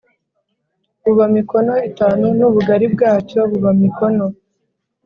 buba mikono itanu n ubugari bwacyo buba mikono